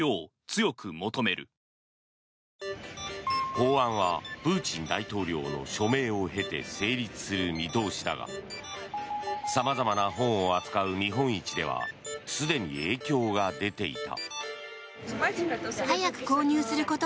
法案は、プーチン大統領の署名を経て成立する見通しだがさまざまな本を扱う見本市ではすでに影響が出ていた。